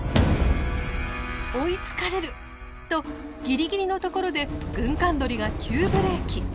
追いつかれる！とギリギリのところでグンカンドリが急ブレーキ。